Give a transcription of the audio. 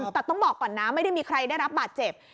แต่ต้องบอกก่อนนะไม่ได้มีใครได้รับบาดเจ็บ